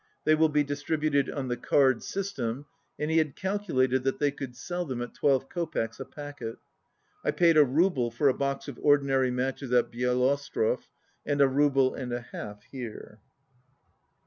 They will be distributed on the card system, and he had calculated that they could sell them at twelve kopecks a packet. I paid a rouble for a box of ordinary matches at Bieloostrov, and a rouble and a half here.